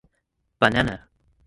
Banana